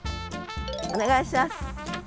お願いします。